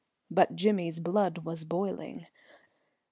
But Jimmy's blood was boiling.